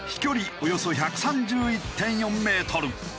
およそ１３１．４メートル。